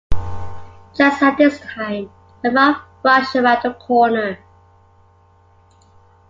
Just at this time a mob rushed around the corner.